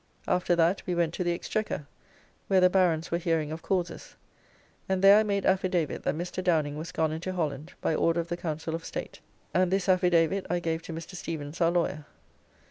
After that we went to the Exchequer, where the Barons were hearing of causes, and there I made affidavit that Mr. Downing was gone into Holland by order of the Council of State, and this affidavit I gave to Mr. Stevens our lawyer.